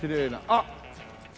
あっ。